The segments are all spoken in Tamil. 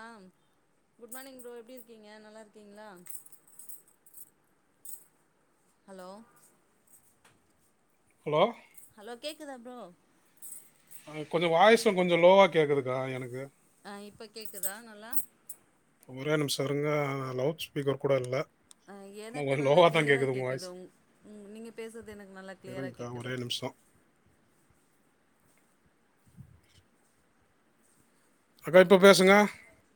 ஆ குட் மார்னிங் ப்ரோ எப்டி இருக்கீங்க நல்லா இருக்கீங்களா ஹலோ ஹலோ ஹலோ கேக்குதா ப்ரோ கொஞ்சோ வாய்ஸும் கொஞ்சோ லோவா கேட்குதுக்கா எனக்கு ஆ இப்ப கேக்குதா நல்லா ஒரே நிமிஷோ இருங்க லவுட் ஸ்பீக்கர் கூட இல்ல ஆ எனக்கு நல்லா கிளியரா கேக்குது உங் நீங்க பேசுறது எனக்கு நல்லா கிளியரா இருங்கக்கா கேக்குது ஒரே நிமிஷம் அக்கா இப்போ பேசுங்க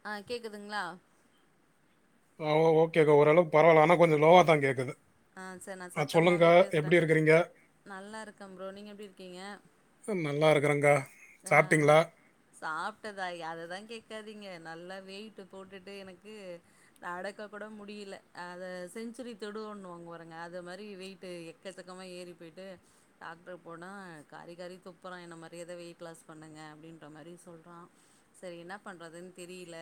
ஆ கேக்குதுங்களா ஆஓ ஓகேக்கா ஓரளவுக்கு பரவால்ல ஆனா கொஞ்சோ லோவா தா கேக்குது ஆங் செர் நா சத்தமாவே பேசுறே நல்லாருக்கேன் ப்ரோ நீங்க எப்டி இருக்கீங்க ம் நல்லா இருக்கறேங்கா ஆ சாப்ட்டிங்களா சாப்ட்டதா அததான் கேக்காதீங்க நல்லா வெயிட்டு் போட்டுட்டு எனக்கு நடக்க கூட முடியல அத செஞ்சுரி தொடுவோணுவா போறேங்க அது மாதிரி வெயிட்டு எக்கசக்கமா ஏறி போய்ட்டு டாக்டர் போனா காரி காரி துப்புறான் என்ன மாரி எது வெயிட் லாஸ் பண்ணுங்க அப்படின்ற மாரி சொல்றான் சேரி என்ன பண்றதுன்னு தெரில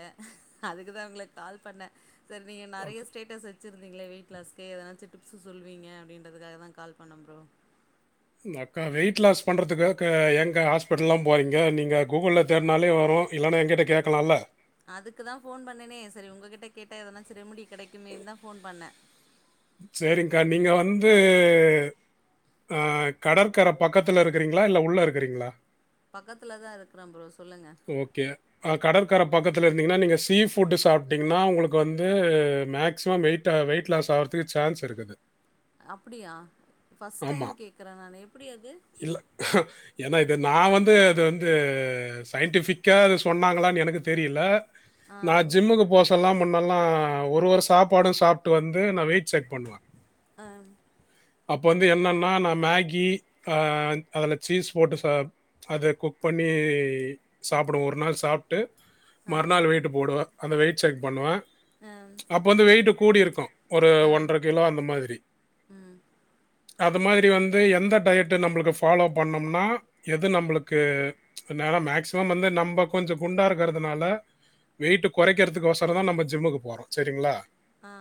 அதுக்குதான் உங்கள கால் பண்ணே சார் நீங்க நெறைய அக்கா ஸ்டேட்டஸ் வச்சிருந்தீங்களே வெயிட் லாஸ்கு எதாச்சு டிப்ஸு சொல்வீங்க அப்டிங்றதுக்காக தா கால் பண்ணே ப்ரோ அக்கா வெயிட் லாஸ் பண்றதுக்காக ஏன்கா ஹாஸ்பிட்டலாம் போறீங்க நீங்க கூகுள்ல தேடுனாலே வரு இல்லன்னா எங்கிட்ட கேக்கலால்ல அதுக்கு தா போன் பண்ணேனே சரி உங்க கிட்ட கேட்டா எதுனா ரெமுடி கெடக்குமேன்னு தா ஃபோன் பண்ணே சேரி்ங்கா நீங்க வந்து ஆ கடற்கர பக்கத்துல இருக்கிறீங் ங்களா இல்ல உள்ள இருக்கிறீங்களா பக்கத்துல தா இருக்குறே ப்ரோ சொல்லுங்க ஓகே கடற்கர பக்கத்துல இருந்தீங்கன்னா நீங்க சீ ஃபுட்டு் சாப்பிட்டீங்கன்னா உங்களுக்கு வந்து மேக்சிமம் வெயிட் வெயிட் லாஸ் ஆவறதுக்கு சான்ஸ் ருக்கு அப்டியா பஸ்ட் ஆமா. டைம் கேக்குறேன் நானு எப்டி அது இல்ல ஏன்னா இது நா வந்து அது வந்து டிபிக்கா இது சொன்னாங்களான்னு எனக்கு தெரில ஆ நா ஜிம்முக்கு போச அப்பெல்லா முன்னெல்லா ஒரு ஒரு சாப்பாடும் சாப்ட்டு வந்து நா வெயிட் செக் பண்ணுவே ஆ அப்போ வந்து என்னன்னா நா மேகி அதுல சீஸ் போட்டு சா அத குக் பண்ணி சாப்டுவோம் ஒரு நாள் சாப்ட்டு ஆ மறுநாள் வெயிட்டு போடுவேன் அந்த வெயிட்ட செக் பண்ணுவே ஆ அப்ப வந்து வெயிட் கூடி இருக்கு ஒரு ஆ ஒன்றரை கிலோ அந்த மாதிரி ம் அது மாதிரி வந்து எந்த டயட்டு நம்மளுக்கு ஃபாலோ பண்னோம்னா எது நம்மளுக்கு அதனால மேக்சிமம் வந்து நம்ம கொஞ்சோ குண்டா இருக்கிறதுனால வெயிட்டு குறைக்கிறதுக்கு வசரம் தா நம்ம ஜிம்முக்கு போறோ சரிங்களா ஹா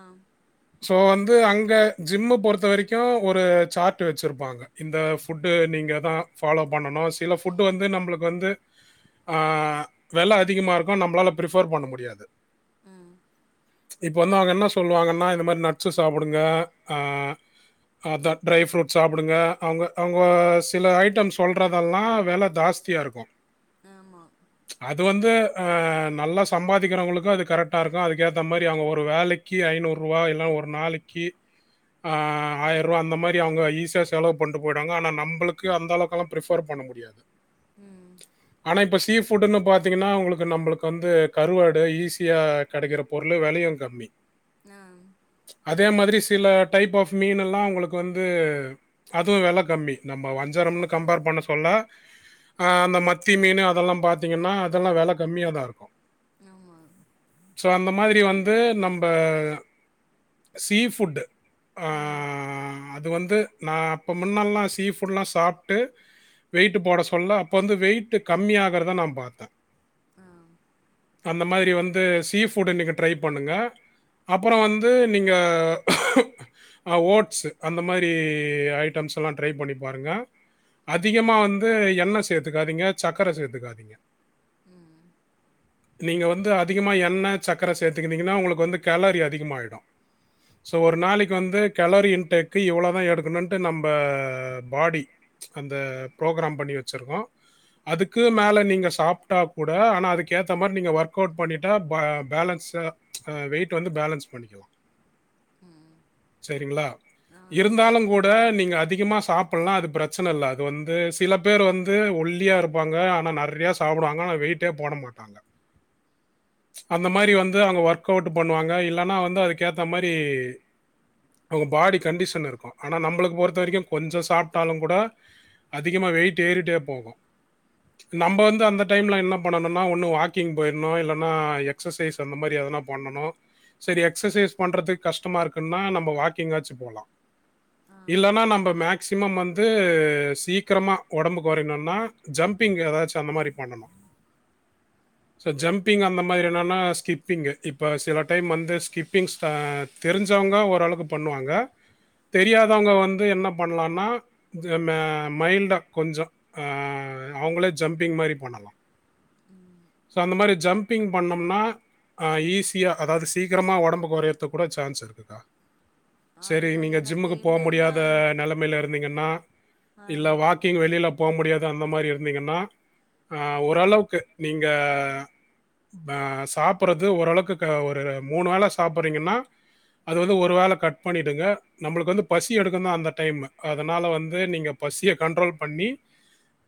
சோ வந்து அங்க ஜிம்மு பொறுத்த வரைக்கு ஒரு சார்ட் வச்சிருப்பாங்க இந்த ஃபுட்டு நீங்க தா ஃபாலோ பண்ணனு சில ஃபுட் வந்து நம்மளுக்கு வந்து ஆஹ் விலை அதிகமா இருக்கு நம்மளால பிரிஃபர் பண்ண முடியாது அ இப்ப வந்து அவுங்க என்ன சொல்லுவாங்கன்னா இந்த மாறி நட்ஸ்சு சாப்புடுங்க ஆஹ் அதா ட்ரை ஃப்ரூட்ஸ் சாப்புடுங்க அவுங்க அவுங்க சில ஐட்டம் சொல்றதெல்லா வெல தாஸ் தியா இருக்கு ஆமா அது வந்து நல்லா சம்பாதிக்கிறவங்களுக்கு அது கரெட்டா இருக்கு அதுக்கு ஏத்த மாறி அவுங்க ஒரு வேலைக் கி ஐநூறுரூவா இல்ல ஒரு நாளக்கி ஆ ஆயர்வா அந்த மாறி அவுங்க ஈஸியா செலவு பண்ட்டு போய்டுவாங்க ஆனா நம்பளுக்கு அந்த அளவுக்கெலா பிரிஃபர் பண்ண முடியாது ம் ஆனா இப்ப சீ ஃபுட்டுன்னு பாத்தீங்கன்னா உங்குளுக்கு நம்பளுக்கு வந்து கருவாடு ஈஸியா கிடைக்கிற பொருளு வெலையும் கம்மி மி நாம் அதே மாதிரி சில டைப் ஆஃப் மீன்னெல்லா உங்களுக்கு வந்து அதும் வெல கம்மி நம்ம வஞ்சரம்னு கம்பேர் பண்ண சொல்ல ஆ அந்த மத்தி மீனு அதெல்லா பாத்தீங்கன்னா அதெல்லா வெல கம்மியாதா இருக்கு ஆமா சோ அந்த மாதிரி வந்து நம்ம சீ ஃபுட்டு ம் ஆஹ் அது வந்து நா அப்ப முன்னாலல்லா சீஃபுட்ல்லா சாப்ட்டு வெயிட் போட சொல்ல அப்ப வந்து வெயிட் கம்மியா ஆகறத நா பாத்தே ஆ அந்த மாதிரி வந்து சீ ஃபுட் இன்னைக்கு ட்ரை பண்ணுங்க அப்புறோ வந்து நீங்க ஓட்ஸ்ஸு அந்த மாதிரி ஐட்டம்ஸ் எல்லா ட்ரை பண்ணி பாருங்க அதிகமா வந்து எண்ணெ சேர்த்துக்காதீங்க சக்கர சேர்த்துக்காதீங்க உம் நீங்க வந்து அதிகமா எண்ண சக்கரை சேத்துக்கிட்டீங்கன்னா உங்களுக்கு வந்து கெலோரி அதிகமாயிடு சோ ஒரு நாளக்கி வந்து கெலோரி இன்டேக்கு இவ்ளோ தா எடுக்குணுன்ட்டு நம்ப பாடி அந்த ப்ரோக்ராம் பண்ணி வச்சுருக்கோ அதுக்கு மேல நீங்க சாப்ட்டா கூட ஆனா அதுக்கு ஏத்த மாறி நீங்க ஒர்க் அவுட் பண்ணிட்டா ப பேலன்ஸ்சு ஆ வெயிட் வந்து பேலன்ஸ் பண்ணிக்குலா சரிங்ளா ஆ இருந்தாலு சரிங்க கூட ப்ரோ நீங்க அதிகமா சாப் டோனா அது பிரச்சன இல்ல அது வந்து சில பேர் வந்து ஒல்லி ஒல்லியா இருப்பாங்க ஆனா நர்ரையா சாப்புடுவாங்க ஆனா வெயிட்டே போட மாட்டாங்க அந்த மாறி வந்து அவுங்க ஒர்க் அவுட் பண்ணுவாங்க இல்லன்னா வந்து அதுக்கு ஏத்த மாறி அவுங்க பாடி கண்டிஷன் இருக்கு ஆனா நம்பளுக்கு பொறுத்த வரக்கு கொஞ்சோ சாப்புட்டாலு கூட அதிகமா வெயிட் ஏறிட்டே போகு நம்ப வந்து அந்த டைம்ல என்ன பண்ணுனா ஒன்னு வாக்கிங் போய்டுனு இல்லனா எக்ஸசைஸ் அந்தமாரி எதனா பண்ணணு செரி எக்ஸசைஸ் பண்றதுக்கு கஷ்டமா இருக்குன்னா நம்ப வாக்கிங்காச்சு போலா ஆமா இல்லன்னா நம்ப மேக்சிமம் வந்து சீக்கிரமா ஒடம்புக்கொறைக்னுனா ஜம்பிங் எதாச்சு அந்தமாரி பண்ணணு சோ ஜம்பிங் அந்தமாதிரி என்னன்னா ஸ்கிப்பிங்கு இப்ப சில டைம் வந்து ஸ்கிப்பிங் ஸ்டா தெரிஞ்சவங்க ஓரளவுக்கு பண்ணுவாங்க தெரியாதவங்க வந்து என்ன பண்லானா ஜமே மைல்டா கொஞ்சோ ஆ அவுங்களே ஜம்பிங்மாரி பண்ணலா ஸோ அந்தமாரி ஜம்பிங் பண்ணம்னா ஆ ஈஸியா அதாவ்து சீக்கிரமா ஒடம்பு கொறையறதுக்குகூட சான்ஸ் இருக்கு அதுதா எனக்கு என்னன்னா ம்மைல இருந்தீங்கன்னா ஆ இல்ல வாக்கிங் வெளில போ முடியாது அந்தமாரி இரு ருந்தீங்கன்னா ஆ ஓரளவுக்கு நீங்க ஆ சாப்புறது ஓரளவுக்கு ஒரு மூணு வேல சாப்புறீங்கன்னா அது வந்து ஒரு வேள கட் பண்ணிடுங்க நம்புளுக்கு வந்து பசி எடுக்குதா அந்த டைமு அதனால வந்து நீங்க பசிய கண்ட்ரோல் பண்ணி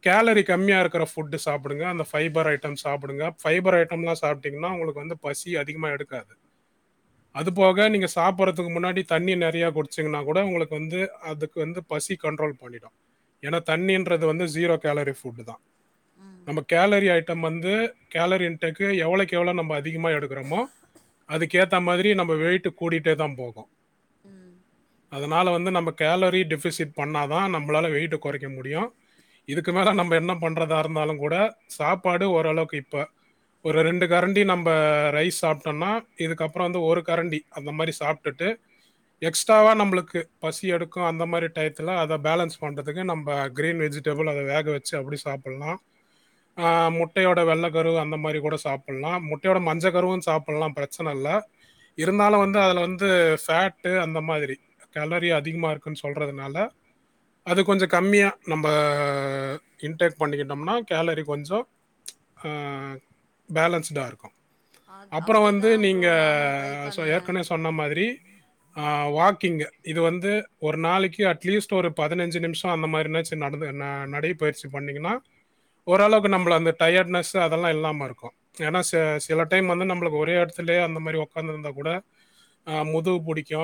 கேலரி கம்மியா இருக்குற ஃபுட்டு சாப்புடுங்க அந்த ஃபைபர் ஐட்டம் சாப்புடுங்க ஃபைபர் ஐட்டம்லா சாப்ட்டீங்ன்னா உங்குளுக்கு வந்து பசி அதிகமா எடுக்காது அது போக நீங்க சாப்பற்றதுக்கு முன்னாடி தண்ணி நெறையா குடிச்சிங்கன்னாகூட உங்குளுக்கு வந்து அதுக்கு வந்து பசி கண்ட்ரோல் பண்ணிடு எனா தண்ணின்றது வந்து ஜீரோ கேலரி ஃபுட்டுதா ம் நம்ம கேலரி ஐட்டம் வந்து கேலரி இன்டெக்கு எவ்வளைக்கு எவ்வளோ நம்ப அதிகமா எடுக்குறோமோ அதுக்கேத்த மாதிரி நம்ம வெயிட்டு கூட்டிட்டேதா போகு ம் அதனால வந்து நம்ம கேலரி டெஃபிசிட் பண்ணாதா நம்மளால வெயிட்ட கொறைக்க முடியு இதுக்கு மேல நம்ம என்ன பண்றதா இருந்தாலுகூட சாப்பாடு ஓரளவுக்கு இப்ப ஒரு ரெண்டு கரண்டி நம்ப ரைஸ் சாப்ட்டோனா இதுக்கப்புறோ வந்து ஒரு கரண்டி அந்தமாரி சாப் டுட்டு எக்ஸ்ட்ராவா நம்புளுக்கு பசி எடுக்கு அந்தமாரி டய்த்துல அத பேலன்ஸ் பண்றதுக்கு நம்ப க்ரீன் வெஜி டெபிள் அத வேக வெச்சு அப்டி சாப்புல்லா ஆ முட்டையோட வெள்ள கருவு அந்தமாரிகூட சாப்புல்லா முட்டையோட மஞ்ச கருவு சாப்புல்லா ப்ர ச்சன இல்ல இருந்தாலு வந்து அதுல வந்து ஃபேட்டு அந்த மாதிரி கெலோரி அதிகமா இருக்குன் சொல்றதுனால அது கொஞ்சோ கம்மியா நம்ப இன்டேக் பண்ணிக்கிட்டோம்னா கேலரி கொஞ்சோ ஆ பேலன்ஸ்டா இருக்கு அது அப்புறோ அப்டிதா வந்து ப்ரோ நீங்க நானு ட்ரை பண்ணே ஏற்கனவே சொன்ன மாதிரி ஆ வாக்கிங்கு இது வந்து ஒரு நாளைக்கு அட்லீஸ்ட் ஒரு பதினஞ்சு நிமிஷோ அந்தமாரினாச்சு நடந்து ந நடை பயிற்சி பண்ணீங்கன்னா ஓரளவுக்கு நம்பள அந்த டயர்ட்னஸ்ஸு அதெல்லா இல்லாம இருக்கு எனா ச சில டைம் வந்து நம்பளுக்கு ஒரே எடத்துலயே அந்தமாரி ஒக்காந்திருந்தாகூட அ முதுகு புடிக்கு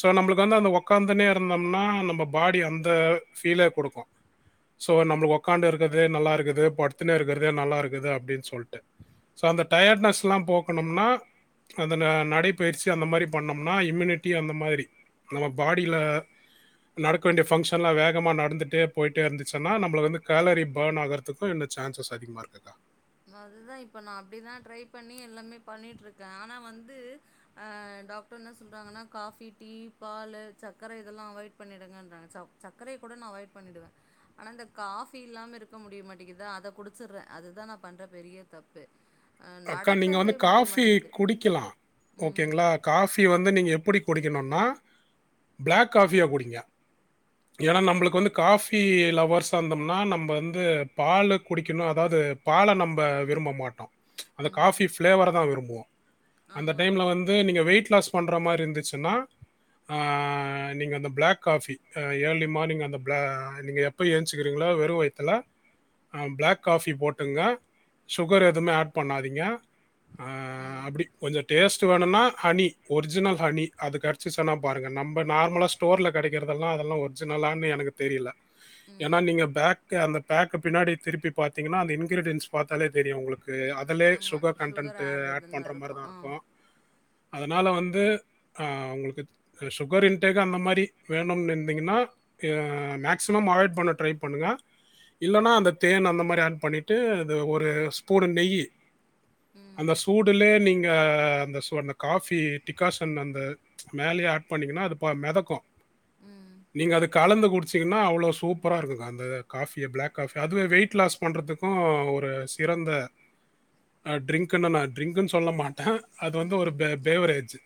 சோ நம்புளுக்கு வந்து அந்த ஒக்காந்துனே இருந்தோம்னா நம்ம பாடி அந்த ஃபீல குடுக்கு சோ நம்ளுக்கு ஒக்காண்டு இருக்கறதே நல்லா இருக்குது படுத்துன்னே இருக்கறதே நல்லா இருக்குது அப்டின் சொல்ட்டு சோ அந்த டயர்டனஸ்ல்லாம் போக்கணும்னா அந்த ந நடைப்பயிற்சி அந்த மாரி பண்ணோம்னா இம்மினிட்டி அந்த மாரி நம்ம பாடில நடக்க வேண்டிய ஃபங்க்ஷன்லா வேகமா நடந்துட்டே போயிட்டே இருந்து சுன்னா நம்பள வந்து கேலரி பர்ன் ஆகறதுக்கும் என்ன சான்சஸ் அதிகமா இருக்குக்கா அதுதா இப்ப நா அப்டிதா ட்ரை பண்ணி எல்லாமே பண்ணிட்டு இருக்கே ஆனா வந்து அ டாக்டர் என்ன சொல்றாங்கன்னா காஃபி டீ பாலு சக்கரை இதெல்லா அவாய்ட் பண்ணிடுங்கன்றாங்க ச சக்கரைய கூட நா அவாய்ட் பண்ணிடுவே ஆனா இந்த காஃபி இல்லாமே இருக்க முடிய மாட்டேங்குதா அத குடிச்சிறேன் அதுதான் நா பண்ற பெரிய தப்பு அ அக்கா நீங்க நடக்கவே வந்து முடிய காஃபி மாட்டேங்குது குடிக்கலா ம் ஓகேங்ளா காஃபி வந்து நீங்க எப்புடி குடிக்கணுன்னா பிளாக் காஃபியா குடிங்க ஏன்னா ஆ நம்பளுக்கு வந்து காஃபி லவர்ஸா இருந்தோம்னா நம்ப வந்து பாலு குடிக்கணு அதாவ்து பால நம்ப விரும்ப மாட்டோ அந்த ம் காஃபி பிளேவர தா விரும்புவோ அந்த ஆமா டைம்ல வந்து நீங்க வெயிட் லாஸ் பண்ற மாரி இருந்துச்சுன்னா ஆ நீங்க அந்த பிளாக் காஃபி அ ஏர்லி மார்னிங் அந்த பிள நீங்க எப்ப ஏந்ச்சுக்கிறீங்களோ வெறு வயித்துல அ பிளாக் காஃபி போட்டுங்க சுகர் எதுமே ஆட் பண்ணாதீங்க அ ம் அப்டி கொஞ்சொ டேஸ்ட் வேணுன்னா ஹனி ஒரிஜினல் ஹனி அது கடச்சிசுன்னா பாருங்க நம்ப நார்மலா ஸ்டோர்ல கெடைக்கிறதுதெல்லா அதெல்லா ஒரிஜினலான்னு எனக்கு தெரியில ஏன்னா ம் நீங்க பேக்கு அந்த பேக்க பின்னாடி திருப்பி பாத்தீங்கன்னா அந்த இன்கிரீடியன்ஸ் பார்த்தாலே தெரியு உங்குளுக்கு அதுலே ஆமா சுகர் கண்டண்ட் ஆட் ஆடடுன்னு பண்ற இருக்கு மாரி தா ஆ இருக்கூ அதனால வந்து அவுங்களுக்கு சுகர் இன்டேக் அந்த மாரி வேணும்னு இருந்திங்கன்னா எ மேக்சிமம் அவாய்ட் பண்ண ட்ரை பண்ணுங்க இல்லன்னா அந்த தேன் அந்த மாரி ஆட் பண்ணிட்டு அது ஒரு ஸ்பூனு நெய்யி ம் அந்த சூடுலேயே நீங்க அந்த சூ அந்த காஃபி டிக்காசன் அந்த மேலேயே ஆட் பண்ணிங்கன்னா அது பா மெதக்கூ ம் நீங்க அது கலந்து குடிச்சிங்கன்னா அவ்ளோ சூப்பரா இருக்குக்கா அந்த காஃபிய பிளாக் காஃபி அதுவே வெயிட் லாஸ் பண்ணுறதுக்கூ ஒரு சிறந்த அ ட்ரிங்க்ன நா ட்ரிங்க்குன்னு சொல்ல மாட்டே அது வந்து ம் ஒரு பேவரேஜு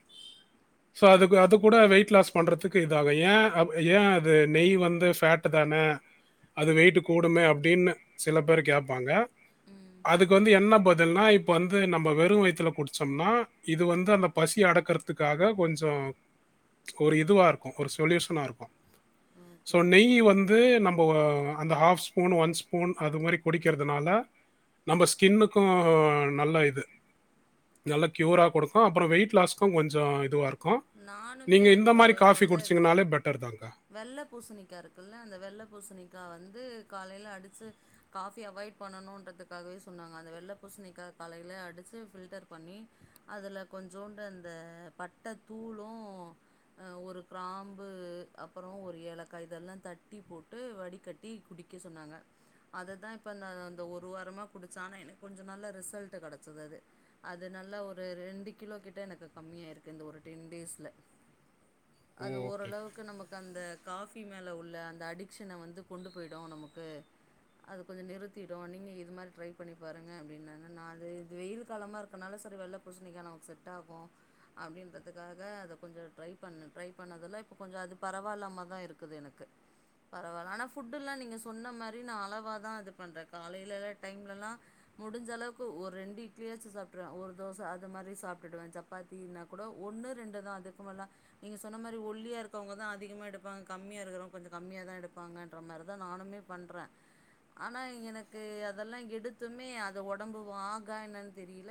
ஸோ அதுக்கு அது கூட வெயிட் லாஸ் பண்றதுக் க்கு இதாகு ஏன் அ ஏன் அது நெய் வந்து ஃபேட் தான அது வெயிட்டு கூடுமே அப்டின்னு சில பேர் கேப்பாங்க ம் அதுக்கு வந்து என்ன பதில்னா இப்ப வந்து நம்ப வெறும் வயத்துல குடிச்சோம்னா இது வந்து அந்த பசி அடக்கறத் த்துக்காக கொஞ்சொ ஒரு இதுவா இருக்கூ ஒரு சொல்யூஷனா இருக்கூ அ ஸோ நெய் வந்து நம்போ அந்த ஹாஃப் ஸ்பூன் ஒன் ஸ்பூன் அது மாரி குடிக்கறதுனால நம்ப ஸ்கின்னுக்கூ நல்ல இது நல்ல க்யூரா கொடுக்கூ அப்பறொ வெயிட் லாஸ்க்கூ கொஞ்ச இதுவா இருக்கூ நானுமே நீங்க இந்த மாரி காஃபி குடிச்சிங்கனாலே பெட்டர் தாக்கா வெள்ள பூசணிக்கா இருக்குல்ல அந்த வெள்ள பூசணிக்கா வந்து காலைல்ல அடிச்சு காஃபி அவாய்ட் பண்ணணுன்றதுக்காகவே சொன்னாங்க அந்த வெள்ள பூசணிக்கா கலையிலே அடிச்சு ஃபில்டர் பண்ணி அதுல கொஞ்சோண்டு அந்த பட்ட தூளூ அ ஒரு கிராம்பு அப்பறொ ஒரு ஏலக்காய் இதெல்லா தட்டி போட்டு வடிகட்டி குடிக் கே சொன்னாங்க அத தான் இப்போ நா அந்த ஒரு வாரமா குடிச்ச ஆனா எனக்கு கொஞ்ச நல்ல ரிசல்ட் கெடச்சது அது அது நல்லா ஒரு ரெண்டு கிலோ கிட்ட எனக்கு கம்மியாயிருக்கு இந்த ஒரு டென் டேஸ்ல அது ஓகே. ஓரளவுக்கு நமக் கு அந்த காஃபி மேல உள்ள அந்த அடிக்க்ஷன வந்து கொண்டு போய்டு நமக்கு அது கொஞ்ச நிறுத்திடு நீங்க இது மாரி ட்ரை பண்ணி பாருங்க அப்டின்ன நா அது இது வெயில் காலமா இருக்குறனால சரி வெல்ல பூச்ணிக்கா நமக்கு செட் ஆகு அப்டின்ற துக்காக அத கொஞ்சோ ட்ரை பண்ணு ட்ரை பண்ணதால்லா இப்போ கொஞ்ச அது பரவாயில்லாம தா இருக்குது எனக்கு பரவால்ல ஆனா ஃபுட்டு் எல்லா நீங்க சொன்ன மாரி நா அளவா தா இது பண்றே காலையில டைம்லலா முடிஞ்ச அளவுக்கு ஒரு ரெண்டு இட்லியாச்சு சாப்ட்றுவே ஒரு தோச அது மாரி சாப்ட்டுடுவே சப்பாத்தினா கூட ஒன்னு ரெண்டு தா அதுக்குமேல நீங்க சொன்ன மாரி ஒல்லியா இருக்கவங்கதா அதிகமா எடுப்பாங்க கம்மியா இருக்குறவங்க கொஞ்ச கம்மியா தா எடுப்பாங்கன்ற மாரிதா நானுமே பண்றே ஆனா எனக்கு அதெல்லா எடுத்துமே அது ஒடம்பு வாகா என்னனு தெரியில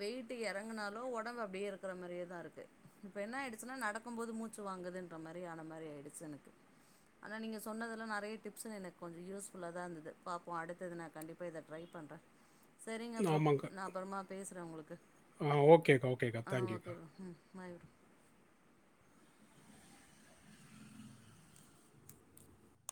வெயிட்டு எறங்குனாலோ ஒடம்பு அப்டியே இருக் குற மாரியே தா இருக்கு இப்ப என்ன ஆயிடுச்சுன்னா நடக்கும் போது மூச்சு வாங்குதுன்ற மாரி ஆன மாரி ஆய்டுச்சு எனக்கு ஆனா நீங்க சொன்னதுல நெறைய டிப்ஸ்ஸுங்க எனக்கு கொஞ்சொ யூஸ்ஃபுல்லா தா இருந்தது பாப்போ அடுத்தது நா கண்டிப்பா இத ட்ரை பண்ணறே சரிங்க ப்ரோ ஆமாங்க்கா நா அப்புறமா பேசுறே உங்களுக்கு ஆ ஓகேகா ஆ ஓகே ப்ரோ ம் ஆயிட்டு